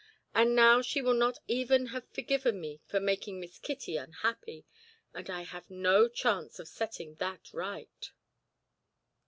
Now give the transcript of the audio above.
And now she will not even have forgiven me for making Miss Kitty unhappy, and I have no chance of setting that right."